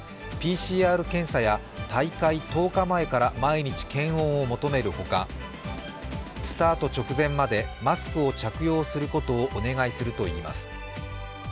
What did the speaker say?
ＰＣＲ検査や大会１０日前から毎日検温を求めるほか、スタート直前までマスクを着用することをお願いするといいます。